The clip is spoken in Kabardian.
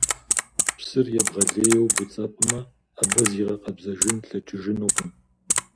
Псыр ебгъэлейуэ буцӀэпӀмэ, абы зигъэкъэбзэжын лъэкӀыжынукъым.